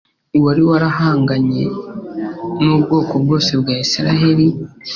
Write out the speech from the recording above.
uwari warahanganye n'ubwoko bwose bwa Isiraheli